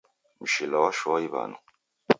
Mshila washoa iw'anu.